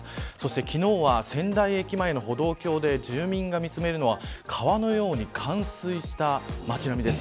そして昨日は仙台駅前の歩道橋で住民が見つめるのは川のように冠水した街並みです。